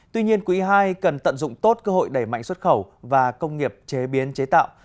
tuy nhiên quý ii cần tận dụng tốt cơ hội đẩy mạnh xuất khẩu và công nghiệp chế biến chế tạo